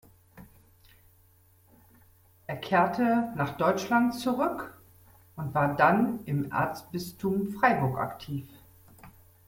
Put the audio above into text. Er kehrte nach Deutschland zurück und war dann im Erzbistum Freiburg aktiv.